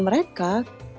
di jembatan mereka